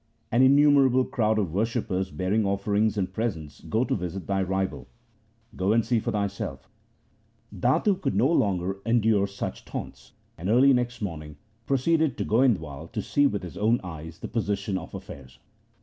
An innumerable crowd of worshippers bearing offer ings and presents go to visit thy rival. Go and see for thyself. ' Datu could no longer endure such taunts, and early next morning proceeded to Goindwal to 64 THE SIKH RELIGION see with his own eyes the position of affairs.